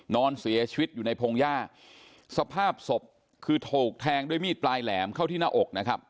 นอนเสียชีวิตอยู่ในพงหญ้าสภาพศพคือถูกแทงด้วยมีดปลายแหลมเข้าที่หน้าอกนะครับ